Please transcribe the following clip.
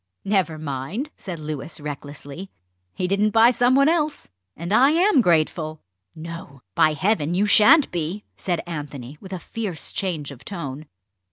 "Never mind," said Louis recklessly. "He didn't buy some one else and I am grateful!" "No; by Heaven, you shan't be!" said Anthony, with a fierce change of tone.